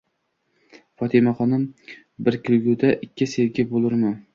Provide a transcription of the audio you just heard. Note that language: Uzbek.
Fotimaxonim, bir ko'ngulda ikki sevgi bo'lurmi?